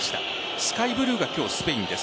スカイブルーが今日スペインです。